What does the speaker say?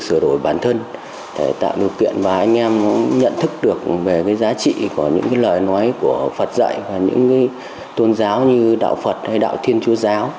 sửa đổi bản thân để tạo điều kiện và anh em nhận thức được về cái giá trị của những lời nói của phật dạy và những tôn giáo như đạo phật hay đạo thiên chúa giáo